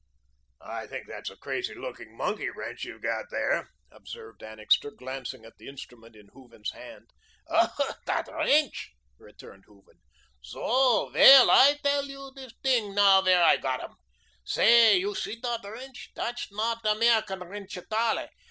"I think that's a crazy looking monkey wrench you've got there," observed Annixter, glancing at the instrument in Hooven's hand. "Ach, dot wrainch," returned Hooven. "Soh! Wail, I tell you dose ting now whair I got 'em. Say, you see dot wrainch. Dat's not Emericen wrainch at alle.